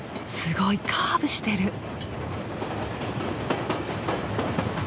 すごいカーブしてる。